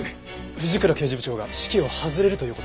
藤倉刑事部長が指揮を外れるという事ですか？